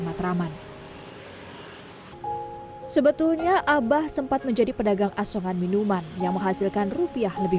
matraman sebetulnya abah sempat menjadi pedagang asongan minuman yang menghasilkan rupiah lebih